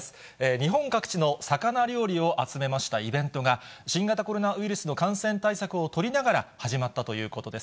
日本各地の魚料理を集めましたイベントが、新型コロナウイルスの感染対策を取りながら始まったということです。